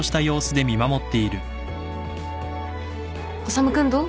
修君どう？